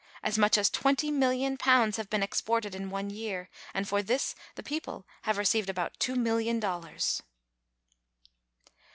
As much as twenty million pounds have been exported in one year, and for this the people have received about two million dollars.